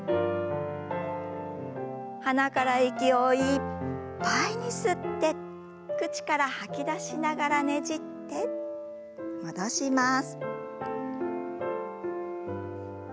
鼻から息をいっぱいに吸って口から吐き出しながらねじって戻します。